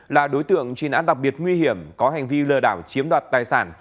là đối tượng truy nãn đặc biệt nguy hiểm có hành vi lừa đảo chiếm đoạt tài sản